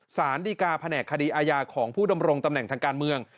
สารดีกาแผนกคดีอาญาของผู้ดำรงตำแหน่งทางการเมือง